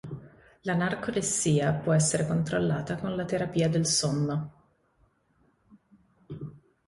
La narcolessia può essere controllata con la terapia del sonno.